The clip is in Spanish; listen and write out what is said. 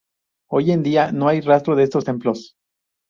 Hoy en día no hay rastro de estos templos.